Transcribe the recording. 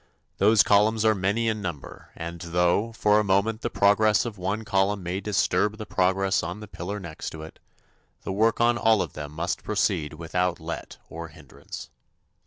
Those columns are many in number and though, for a moment the progress of one column may disturb the progress on the pillar next to it, the work on all of them must proceed without let or hindrance.